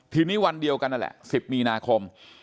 ทีนี้วันเดียวกันนั่นแหละ๑๐มีนาคม